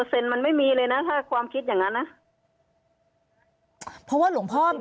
เซ็นมันไม่มีเลยนะถ้าความคิดอย่างนั้นนะเพราะว่าหลวงพ่อ